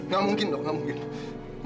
gak mungkin dok gak mungkin